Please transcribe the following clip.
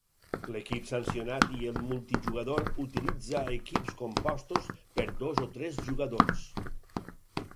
L'equip sancionat i el multijugador utilitza equips compostos per dos o tres jugadors.